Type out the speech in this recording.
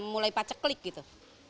mulai paceklik gitu